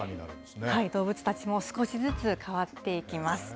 動物たちも少しずつ変わっていきます。